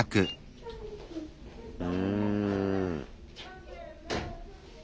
うん。